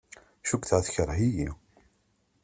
Cukkeɣ tekreh-iyi.